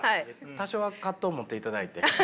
多少は葛藤を持っていただいて。